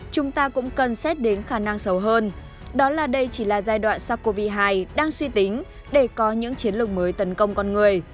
chúng ta cũng cần xét đến khả năng xấu hơn đó là đây chỉ là giai đoạn sars cov hai đang suy tính để có những chiến lược mới tấn công con người